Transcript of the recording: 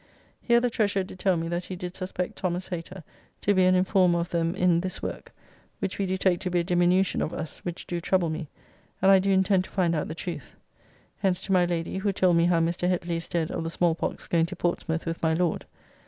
Here the Treasurer did tell me that he did suspect Thos. Hater to be an informer of them in this work, which we do take to be a diminution of us, which do trouble me, and I do intend to find out the truth. Hence to my Lady, who told me how Mr. Hetley is dead of the small pox going to Portsmouth with my Lord.